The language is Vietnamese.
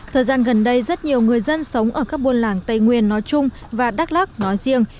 thời gian gần đây rất nhiều người dân sống ở các buôn làng tây nguyên nói chung và đắk lắc nói riêng